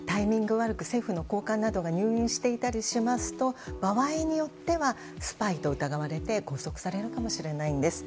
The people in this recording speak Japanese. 悪く政府の高官などが入院していたりしますと場合によってはスパイと疑われて拘束されるかもしれないんです。